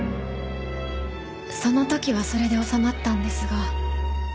その時はそれで収まったんですが。